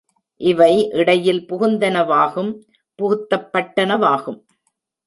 இவை இடையில் புகுந்தனவாகும் புகுத்தப்பட்டனவாகும்.